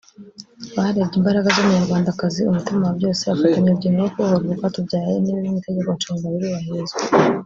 Barebye imbaraga z’umunyarwandakazi umutima wa byose bafatanya urugendo rwo kubohora urwatubyaye n’ibiri mu Itegeko Nshinga birubahirizwa